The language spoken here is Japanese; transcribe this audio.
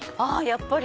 やっぱり！